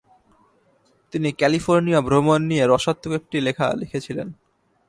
তিনি ক্যালিফোর্নিয়া ভ্রমণ নিয়ে রসাত্মক একটি লেখা লিখেছিলেন।